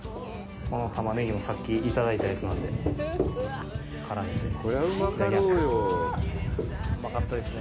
このたまねぎもさっき、いただいたやつなので、絡めて、いただきます。